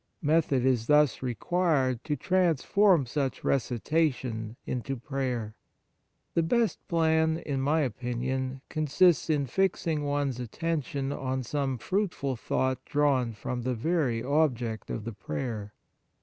Method is thus required to transform such recitation into prayer. The best plan, in my opinion, con sists in fixing one s attention on some fruitful thought drawn from the very object of the prayer.